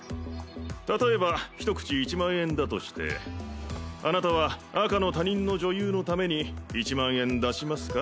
例えばひと口１万円だとしてあなたはあかの他人の女優のために１万円出しますか？